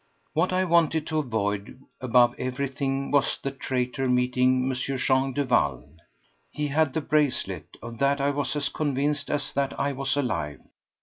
What I wanted to avoid above everything was the traitor meeting M. Jean Duval. He had the bracelet—of that I was as convinced as that I was alive.